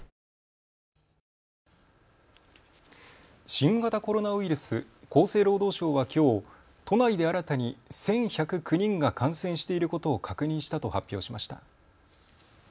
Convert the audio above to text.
新型コロナウイルス、厚生労働省はきょう都内で新たに１１０９人が感染していることを確認したと発表しました。